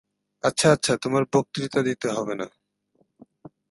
আচ্ছা আচ্ছা, তোমার আর বক্তৃতা দিতে হবে না।